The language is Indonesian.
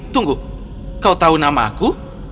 tunggu kau tahu nama aku